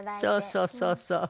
そうそうそうそう。